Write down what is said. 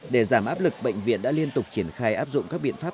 để giảm áp lực bệnh viện đã liên tục triển khai áp dụng các biện pháp